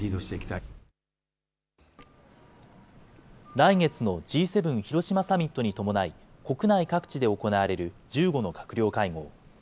来月のＧ７広島サミットに伴い、国内各地で行われる１５の閣僚会合。